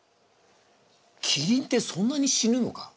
キリンってそんなに死ぬのか？